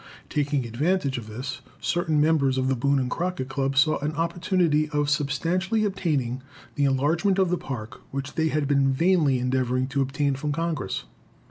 Taking advantage of this, certain members of the Boone and Crockett Club saw an opportunity of substantially obtaining the enlargement of the Park which they had been vainly endeavoring to obtain from Congress.